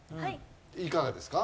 いかがですか？